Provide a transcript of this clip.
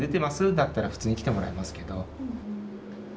だったら普通に来てもらいますけど。